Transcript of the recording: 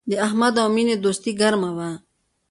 د احمد او مینې دوستي گرمه وه